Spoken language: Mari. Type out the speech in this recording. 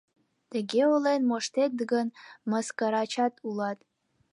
— Тыге ойлен моштет гын, мыскарачак улат!..